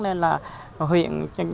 nên là huyện